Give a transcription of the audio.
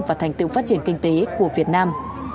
và thành tựu phát triển kinh tế của việt nam